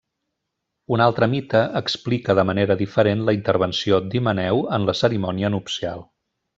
Un altre mite explica de manera diferent la intervenció d'Himeneu en la cerimònia nupcial.